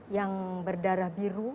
yang berdarah biru